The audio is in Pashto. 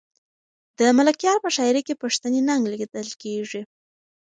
د ملکیار په شاعري کې پښتني ننګ لیدل کېږي.